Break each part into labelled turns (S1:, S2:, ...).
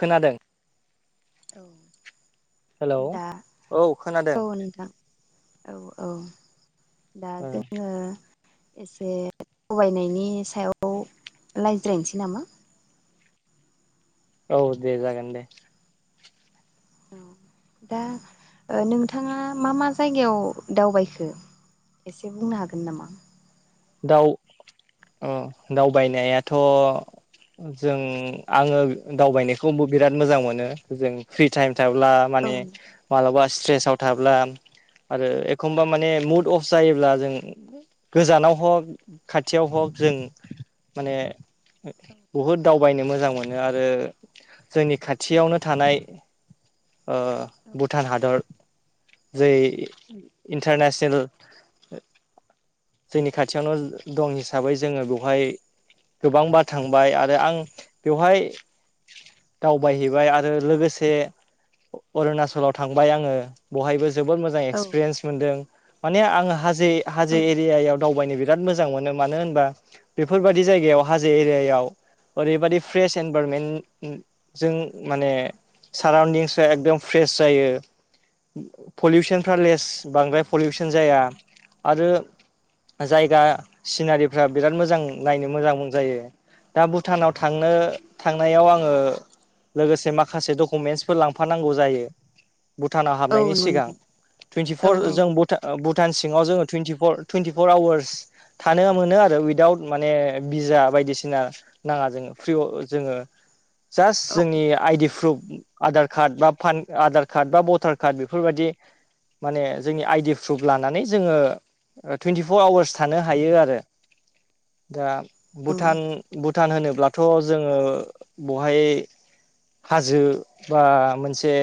S1: खोनादों?
S2: औ
S1: हेलौ
S2: दा
S1: औ खोनादों
S2: औ नोंथां औ औ दा जोङो एसे थगायनायनि सायाव लायज्रायसै नामा?
S1: औ दे जागोन दे
S2: औ दा ओ नोंथाङा मा मा जायगायाव दावबायखो? एसे बुंनो हागोन नामा?
S1: दाउ ओ दावबायनायाथ' जों आङो दावबायनायखौबो बिराद मोजां मोनो जों फ्रि टाइम थाब्ला
S2: औ
S1: माने मालाबा स्ट्रेसाव थाब्ला आरो एखमबा माने मुद अफ जायोब्ला जों गोजानाव हक खाथियाव हक जों माने बहुद दावबायनो मोजां मोनो आरो जोंनि खाथियावनो थानाय ओ भुटान हादर जै इन्टारनेसनेल जोंनि खाथियावनो दं हिसाबै जोङो बेवहाय गोबांबार थांबाय आरो आं बेवहाय‌ दावबायहैबाय आरो लोगोसे अरुणाचलाव थांबाय आङो बहायबो जोबोद मोजां। [unintelligible]
S2: औ
S1: एक्सपिरिेन्स मोनदों माने आं हाजो
S2: औ
S1: हाजो एरियाआव दावबायनो बिराद मोजां मोनो मानो होनबा बेफोरबायदि जायगायाव हाजो एरियायाव ओरैबादि फ्रेश एनभाइरमेन्ट जों माने साराउन्डंस एकदम फ्रेस जायो पलिउसनफ्रा लेस बांद्राय पलिउसन जाया आरो जायगा सिनारिफ्रा बिराद मोजां नायनो मोजां जायो। दा भुटानाव थांनो थांनायाव आङो लोगोसे माखासे डकुमेन्टसफोर लांफानांगौ जायो। भुटानाव
S2: औ
S1: हाबनायनि
S2: नंगौ
S1: सिगां
S2: नोंथां औ
S1: टुइनटिफर
S2: औ
S1: जों भुटान ओ भुटान सिङाव जोङो टुइटिरफर टुइटि फर आवार्स थानो मोनो आरो उइदाउट माने बिजा बायदिसिना नाङा जोङो फ्रि जोङो जास्ट
S2: औ
S1: जोंनि आइडि प्रुफ आधार कार्ड बा फान आधार कार्ड बा भटार कार्ड बेफोर बादि माने जोंनि आइडि प्रुफ लानानै जोङो टुइन्टिफर आवार्स थानो हायो आरो दा
S2: औ
S1: भुटान‌ भुटान होनोब्लाथ' जोङो बहाय हाजो बा मोनसे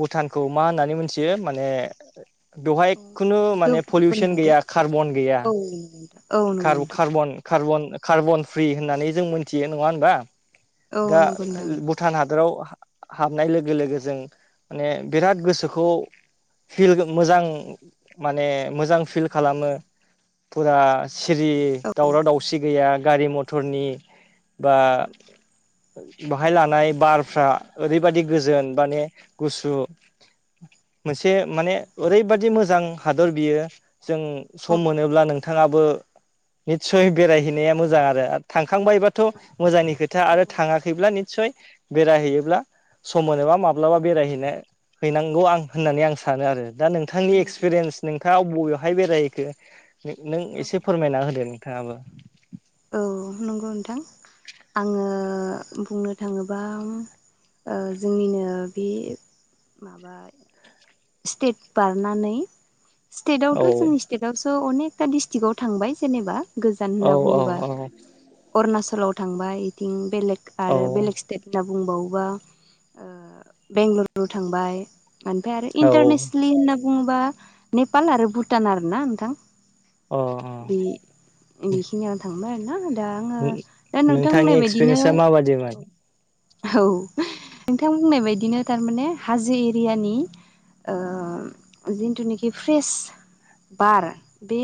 S1: भुटानखौ मा होननानै मोनथियो माने बेवहाय
S2: औ
S1: खुनु माने
S2: गुबुन
S1: पलिउसन
S2: हादोर
S1: गैया
S2: औ
S1: कार्बन गैया
S2: औ नंगौ
S1: कार
S2: नोंथां
S1: कार्बन कार्बन कार्बन फ्रि होननानै जों मोनथियो नङा होनबा
S2: औ
S1: दा
S2: नंगौ नोंथां
S1: भु भुटान हादोराव हाबनाय लोगो लोगो जों माने बिराद गोसोखौ फिल मोजां माने मोजां फिल खालामो फुरा सिरि
S2: औ नंगौ नोंथां औ
S1: दावराव दावसि गैया गारि मथरनि बा बाहाय लानाय बारफ्रा ओरैबायदि गोजोन माने गुसु मोनसे माने ओरैबादि मोजां हादर बियो जों
S2: औ
S1: सम मोनोब्ला नों थाङाबो निसय बेरायहैनाया मोजां आरो थांखांबायबा थ' मोजांनि खोथा
S2: औ
S1: आरो थाङाखैब्ला निसय बेरायहैयोब्ला सम मोनोबा माब्लाबा बेरायहैनो हैनांगौ आं होननानै आं सानो आरो दा नोंथांनि
S2: नंगौ
S1: एक्सपिरियेन्स नोंथाङा अबेयावहाय बेरायहैखो नों एसे
S2: औ
S1: फोरमायना होदो नोंथाङाबो।
S2: औ नंगौ नोंथां आङो बुंनो थाङोबा जोंनिनो बे माबा स्टेट बारनानै स्टेटावथ'
S1: औ
S2: जोंनि स्टेटआवसो अनेकथा दिडस्ट्रिक्कव थांबाय जेनेबा गोजान
S1: औ
S2: होना
S1: औ औ
S2: अरुणाचलाव थांबा बिथिं बेलेग आरो बेलेग
S1: औ
S2: स्टेट होनना बुंबावोबा ओ बेंगलरु थांबाय ओमफ्राय आरो
S1: औ
S2: इन्टारनेसनेलि होनना बुङोबा नेपाल आरो भुटान आर ना नोंथां।
S1: अ अ
S2: बे बेखिनियाव थांबाय आरो ना। दा आङो दा नोंथां
S1: नोंथांनि
S2: होननाय बायदिनो
S1: एक्सपिरियेन्सा माबादिमोन
S2: औ औ नोंथां बुंनाय बायदिनो थारमाने हाजो एरियानि ओ जिथुनाखि फ्रेस बार बे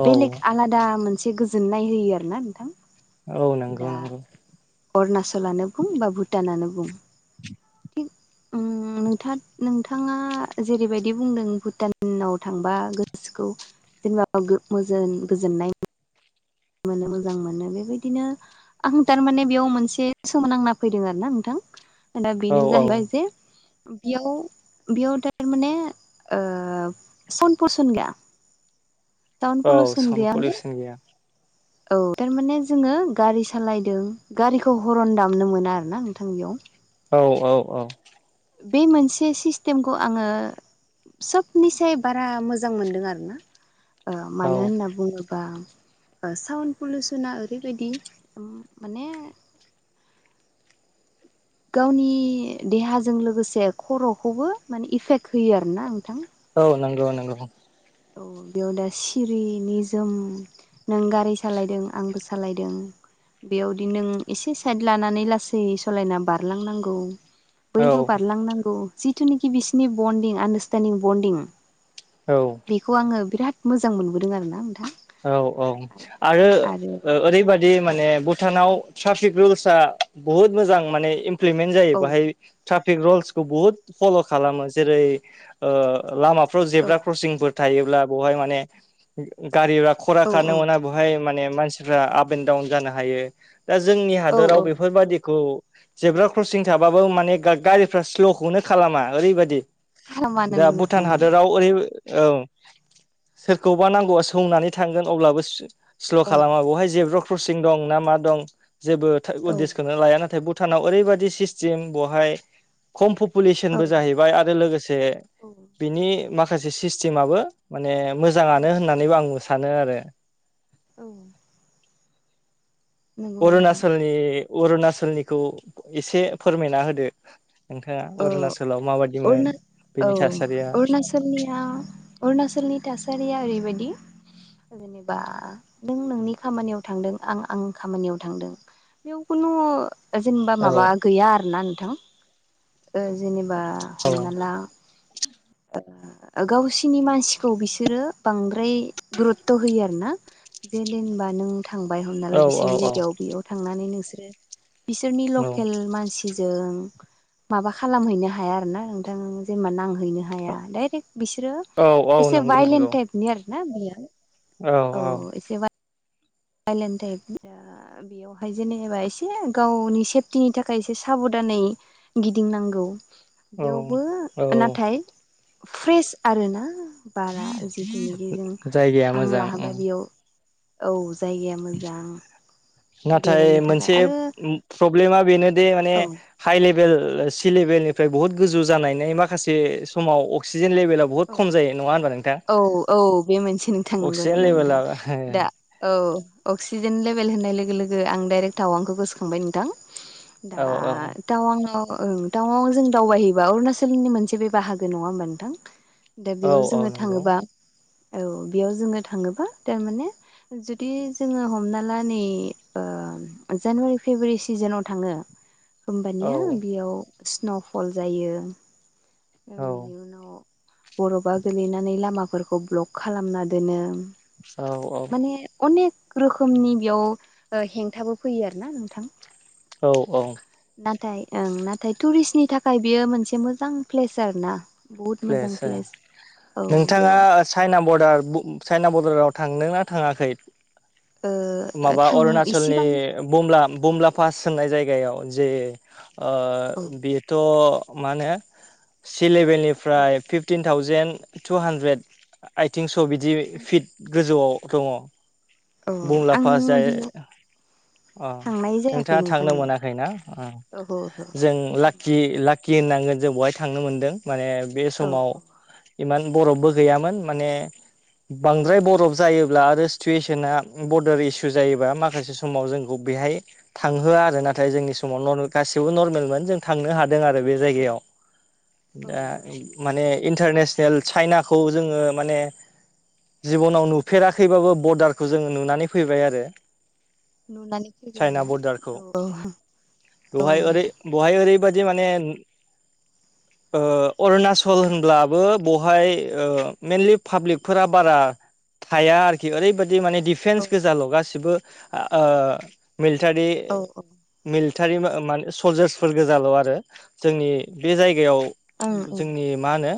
S1: औ
S2: बेलेग आलादा मोनसे गोजोननाय होयो आरो ना नोंथां।
S1: औ नंगौ
S2: दा
S1: नंगौ।
S2: अरुणाचलानो बुं बा भुटानानो बुं।
S1: [inaudible]
S2: नोंथ नोंथांआ जेरैबादि बुंदों भुटानाव थांबा गोसोखौ जेनोबा मोजोन गोजोननाय मोनो मोजां मोनो बिदिनो आं थारमाने बेयाव मोनसे सोमोनांना फैदों आरो ना नोंथां दा
S1: औ
S2: बेनो
S1: औ
S2: जाहैबाय जे बेयाव बेयाव थारमाने ओ सन परसनगा टाउन
S1: औ
S2: फलसन
S1: साउन्ड
S2: गैया ने
S1: पलिउसन गैया।
S2: औ थारमाने जोङो गारि सालायदों गारिखौ हरन दामनो मोना आरो ना नोंथां बेआव
S1: औ औ औ
S2: बे मोनसे सिस्टेमखौ आङो सबनिसाय बारा मोजां मोनदों आरो ना ओ
S1: औ
S2: मानो होनना बुङोबा ओ साउन्ड पलिउसना ओरैबादिओम माने गावनि देहाजों लोगोसे खर'खौबो माने इफेक्ट होयो आरोना नोंथां
S1: औ नोंगौ नोंगौ
S2: औ बेआव दा सिरि निजोम नों गारि सालायदों आंबो सालायदों बेआवदि नों एसे साइट लानानै लासै सालायना बारलांनांगौ
S1: औ
S2: बैबो बारलांनांगौ जिथुनिखि बिसिनि बन्दिं आन्दारस्टेनदिं बन्दिं
S1: औ
S2: बेखौ आङो बिराद मोजां मोनबोदों आरो ना नोंथां
S1: औ औ आरो ओ ओरैबादि दि
S2: औ
S1: माने भुटानाव ट्रापिक रुलसआ बुहुद मोजां माने इमप्लिमेन्ट जायो
S2: औ
S1: बाहाय ट्राफिक रुल्सखौ बुहुद फल' खालामो जेरै ओ लामाफ्राव
S2: औ
S1: जेब्रा क्रसिंफोर थायोब्ला ब'हाय माने उम गारिफ्रा खरा
S2: औ
S1: खारनो
S2: औ
S1: मोना बवहाय माने मानसिफ्रा आप एन्ड डाउन जानो हायो दा जोंनि
S2: औ
S1: हादराव
S2: औ
S1: बेफोरबादिखौ जेब्रा क्रसिं थाबाबो माने गा गारिफ्रा स्ल'खौनो खालामा ओरैबादि
S2: हामा
S1: दा
S2: नंगौ नोंथां
S1: भुटान
S2: नंगौ
S1: हादराव ओरै औ सोरखौबा नांगौबा सौनानै थांगोन अब्लाबो सो स्ल'
S2: औ
S1: खालामा बहाय जेब्रा क्रसिं दं ना मा दं जेबो
S2: औ
S1: उदिसखौनो लाया नाथाय भुटानाव ओरैबादि सिस्टेम बहाय खम
S2: औ
S1: प'पुलेसनबो जाहैबाय आरो लोगोसे
S2: औ
S1: बिनि माखासे सिस्टेमाबो माने मोजांआनो होननानैबो आं सानो आरो
S2: औ नंगौ नोंथां
S1: अरुणाचोलनि अरुणाचोलनिखौ एसे फोरमायना होदो नोंथांआ
S2: औ
S1: अरुणाचोलाव माबादिमोन बेनि थासारिआ
S2: अरुणाचोलनि थासारिआ ओरैबादि जेनोबा नों नोंनि खामानिआव थांदों आं आं खामानिआव थांदों बेयाव खुनु ओ जेनोबा
S1: औ
S2: माबा गैया आरोना नोंथां ओ जेनोबा
S1: औ
S2: हमना ला ओ गावसिनि मासिखौ बिसोरो बांद्राय गुरुत्थ' होयो आरोना जेदिन बा नों थांबाय हमना
S1: औ
S2: ला बिसोरनि जायगायाव बेयाव थांनानै नोंसोर बिसोरनि
S1: औ
S2: लकेल मानसि जों माबा खालामहैनो हाया आरो ना नोंथां जेनेबा नांहैनो हाया डाइरेक्ट बिसोरो
S1: औ
S2: [unintelligible]
S1: औ
S2: एसे
S1: नंगौ
S2: भायलेन
S1: नंगौ
S2: थाइभनि आरो ना बेओ औ एसे बायलेन्द टाइभनि जा बेयावहाय जेनेबा एसे गावनि सेफटिनि थाखाय एसे साबधानै गिदिंनांगौ।
S1: औ
S2: बेयावबो
S1: औ
S2: नाथाय फ्रेस आरो ना‌ बारा जिथुनिखि जों
S1: जायगाया
S2: हां
S1: मोजां उम
S2: लाहोबाय बेयाव औ जायगाया। मोजां
S1: नाथाय
S2: बेरायनो थाखाय
S1: मोनसे
S2: आरो
S1: उम प्रब्लेमा बेनोदे माने
S2: औ
S1: हाइ लेभेल सि लेभेलनिफ्राय बुहुत गोजौ जानानै माखासे समाव अक्सिजेन लेभेलाव
S2: औ औ औ बे मोनसे नोंथां नंगौ
S1: अक्सिजेन
S2: नंगौ नोंथां
S1: लेभेला
S2: दा औ अक्सिजेन लेभेल होननाय लोगो लोगो आं डाइरेक्ट टावांखौ गोसोखांबाय नोंथां दा
S1: औ औ
S2: [unintelligible] टाउनाव टाउनाव जों दावबायहैबा अरुणाचलनि मोनसे बे बाहागो नङा होमबा नोंथां। दा
S1: औ
S2: बेयाव
S1: औ
S2: जोङो
S1: नंगौ
S2: थाङोबा औ बेयाव जोङो थाङोबा थारमाने जुदि जोङो हमना ला नै ओ जानुवारि फेब्रुवारि सिजोनाव थाङो‌
S1: [inaudible]
S2: हम्बानिया बेयाव स्न' फल जायो ओ
S1: औ
S2: बेनि उनाव बर'फआ गोलैनानै लामाफोरखौ ब्लक खालामना दोनो।
S1: औ औ
S2: माने अनेक रोखोमनि बेयाव हेंथाबो फैयो आरो ना नोंथां।
S1: औ औ
S2: नाथाय ओं नाथाय टुरिस्टनि थाखाय बेयो मोनसे मोजां प्लेस आरो ना। बहुद मोजां प्लेस औ
S1: नोंथाङा
S2: बेयाव
S1: चाइना बरडार चाइना बरडाराव थांदों ना थाङाखै?
S2: ओ
S1: माबा
S2: थां
S1: अरुणाचलनि
S2: इसिबां
S1: बमला बमला पास होननाय जायगायाव जे ओ
S2: औ
S1: बि थ' मा होनो सि
S2: औ
S1: लेभेलनिफ्राय फिफटिन थावजेेन टु हान्ड्रेद आथिं स' बिदि फिट गोजौआव दङ
S2: औ
S1: बुं
S2: आं
S1: लाफा जाय
S2: बेयाव
S1: अ
S2: थांनाय जायाखै
S1: नोंथाङा
S2: नोंथां
S1: थांनो
S2: बेयाव
S1: मोनाखैना ओ
S2: ओहो ओहो
S1: जों ला खि लाकि होननांगोन जों बेहाय थांनो मोनदों माने बे
S2: औ
S1: समाव इमान बरफबो गैयामोन माने बांद्राय बरफ जायोब्ला आरो सिटुवेसना बरडार इसु जायोबा माखासे समाव जोंखौ बेहाय थांहोआ आरो नाथाय जोंनि समाव गासिबो नर्मेलमोन जों थांनो हादों आरो बे
S2: औ
S1: जायगायाव
S2: औ
S1: दा माने इन्टारनेसनेल चाइनाखौ जोङो माने जिबनाव नुफेराखैबाबो बरडारखौ जोङो नुनानै फैबाय आरो
S2: नुनानै फैबाय
S1: चाइना
S2: आरोना
S1: बरडारखौ
S2: औ औ औ
S1: बेवहाय ओरै
S2: नोंथां
S1: बेहाय ओरैबादि माने ओ अरुणाचल होनब्लाबो बेवहाय ओ मइेनलि पाब्लिकफोरा बारा थाया आरोखि ओरैबायदि माने दि दिफेन्स गोजाल' गासिबो ओ मिलिटारि
S2: औ
S1: मिलिटारि माने सलजार्सफोर गोजाल' आरो जोंनि बे जायगायाव
S2: ओं ओं
S1: जोंनि मा होनो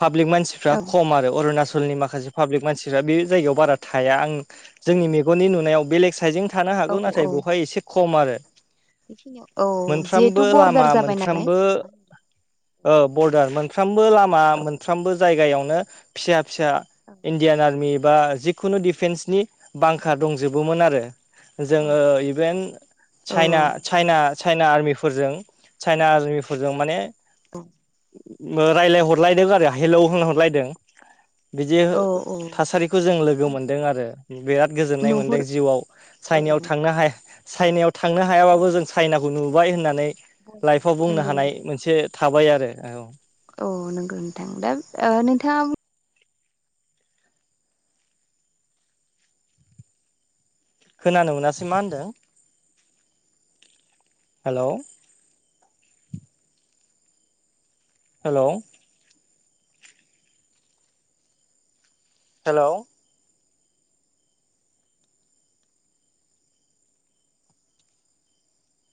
S1: पाब्लिक मानसिफ्रा
S2: औ
S1: खम आरो आरो अरुणाचलनि माखासे पाब्लिक मानसिफ्रा बे जायगायाव बारा थाया आं जोंनि मेगननि नुनायाव बेलेग साइजजों थानो
S2: औ
S1: हागौ नाथाय
S2: औ
S1: बेवहाय एसे खम आरो
S2: बेखिनियाव औ जिहेथु
S1: मोनफ्रोमबो
S2: बरदार
S1: लामा
S2: जाबाय नालाय
S1: मोनफ्रामबो औ बरडार मोनफ्रामबो लामा
S2: औ
S1: मोनफ्रामबो जायगायावनो फिसा फिसा इण्डियान आर्मि बा खुनु दिडिफेन्सनि बांखा दंजोबोमोन आरो
S2: औ
S1: जोङो इभेन
S2: औ
S1: चाइना चाइना चाइना आर्मिफोरजों चाइना आर्मिफोरजों माने
S2: [unintelligible]
S1: ओ रायलायहरलायदों आरो हेलोव होनहरलायदों बिदि
S2: औ औ
S1: थासारिखौ जों लोगो मोनदों आरो बिराद गोजोननाय
S2: नुहुर
S1: मोनदों जिउआव
S2: औ
S1: चाइनायाव थांनो हाया। चाइनायाव थांनो हायाबाबो जों चाइनाखौ नुबाय होननानै लाइफआव बुंनो
S2: नंगौ
S1: हानाय मोनसे थाबाय आरो औ।
S2: औ नोंगौ नोंथां दा ओ नोंथाङा।
S1: खोनानो मोनासै मा होनदों हेलोव हेलोव हेलोव